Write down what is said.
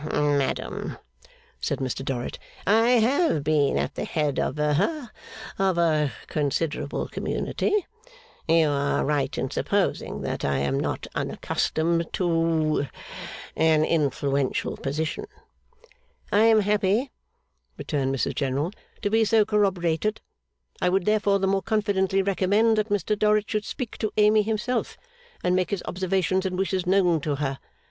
'Hum madam,' said Mr Dorrit, 'I have been at the head of ha of a considerable community. You are right in supposing that I am not unaccustomed to an influential position.' 'I am happy,' returned Mrs General, 'to be so corroborated. I would therefore the more confidently recommend that Mr Dorrit should speak to Amy himself, and make his observations and wishes known to her.